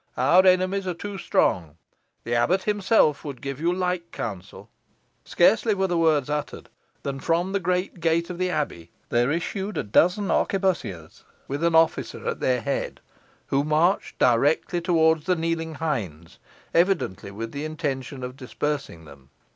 Our enemies are too strong. The abbot himself would give you like counsel." Scarcely were the words uttered than from the great gate of the abbey there issued a dozen arquebussiers with an officer at their head, who marched directly towards the kneeling hinds, evidently with the intention of dispersing them.